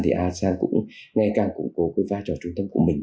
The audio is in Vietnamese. thì asean cũng ngày càng củng cố cái vai trò trung tâm của mình